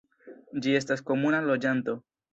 Ĝi estas komuna loĝanto.